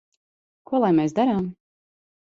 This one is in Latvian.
Ko lai mēs darām?